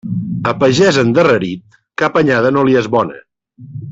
A pagès endarrerit, cap anyada no li és bona.